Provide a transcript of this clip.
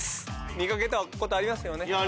見かけたことありますよね